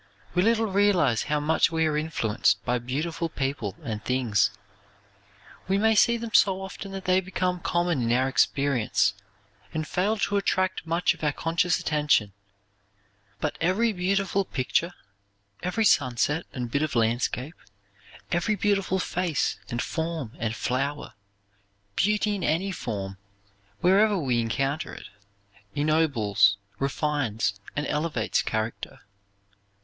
We little realize how much we are influenced by beautiful people and things. We may see them so often that they become common in our experience and fail to attract much of our conscious attention, but every beautiful picture, every sunset and bit of landscape, every beautiful face and form and flower, beauty in any form, wherever we encounter it, ennobles, refines and elevates character.